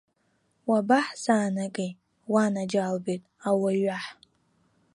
Уабаҳзаанагеи, уанаџьалбеит, ауаҩаҳ?!